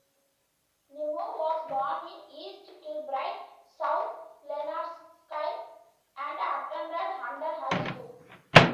Nimmo was born in East Kilbride, South Lanarkshire and attended Hunter High School.